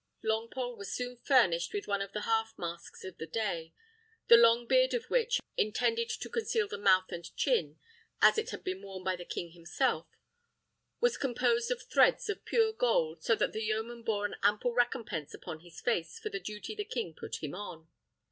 Longpole was soon furnished with one of the half masks of the day, the long beard of which, intended to conceal the mouth and chin, as it had been worn by the king himself, was composed of threads of pure gold, so that the yeoman bore an ample recompense upon his face for the duty the king put him on.